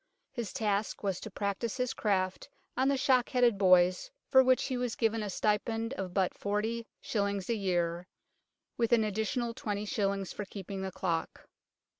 His task was to practise his craft on the shock headed boys, for which he was given a stipend of but 405. a year, with an additional 2os. for keeping the clock.